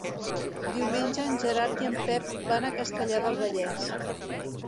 Diumenge en Gerard i en Pep van a Castellar del Vallès.